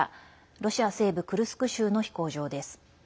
ロシア西部クルスク州の飛行場です。